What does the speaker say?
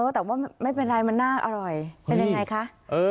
แต่ว่าไม่เป็นไรมันน่าอร่อยเป็นยังไงคะ